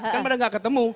kan pada gak ketemu